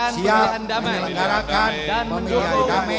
siap menyelenggarakan pemilihan damai